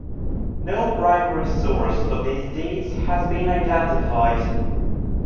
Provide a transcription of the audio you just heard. No primary source for these dates has been identified.